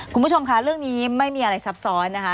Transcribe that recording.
คุณผู้ชมค่ะเรื่องนี้ไม่มีอะไรซับซ้อนนะคะ